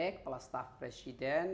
kepala staff presiden